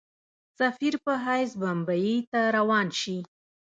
سفیر په حیث بمبیی ته روان سي.